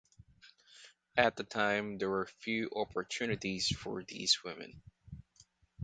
At the time there were few opportunities for these women.